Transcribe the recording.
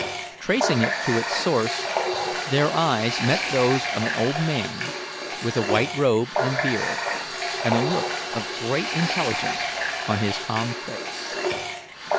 Tracing it to its source, their eyes met those of an old man with a white robe and beard and a look of great intelligence on his calm face.